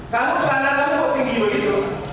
kamu sekarang kamu kok tinggi begitu